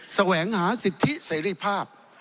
แสวงหาสิทธิเสรีภาพ